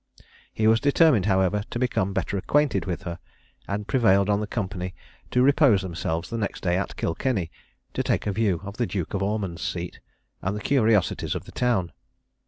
He was determined, however, to become better acquainted with her, and prevailed on the company to repose themselves the next day at Kilkenny, and take a view of the Duke of Ormond's seat, and the curiosities of the town.